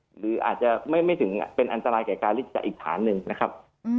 หรืออาจจะไม่ถึงเป็นอันตรายแก่กายอีกฐานหนึ่งนะครับ